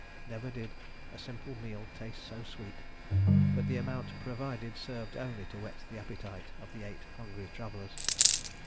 Never did simple meal taste so sweet, but the amount provided served only to whet the appetite of the eight hungry travellers.